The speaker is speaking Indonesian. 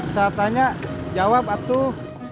saat tanya jawab atuh